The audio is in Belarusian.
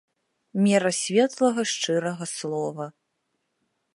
Мера светлага шчырага слова.